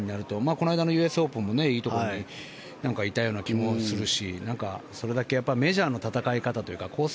この間のＵＳオープンでもいいところにいたような気もするしそれだけメジャーの戦い方というかコース